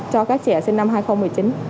cho các trẻ sinh năm hai nghìn một mươi chín